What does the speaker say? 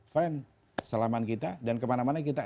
friend selama kita